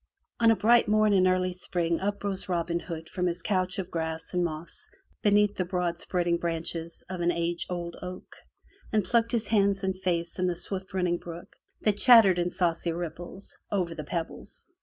On a bright morn in early spring up rose Robin Hood from his couch of grass and moss beneath the broad spreading branches of an age old oak, and plunged his hands and face in the swift running brook that chattered in saucy ripples over the pebbles.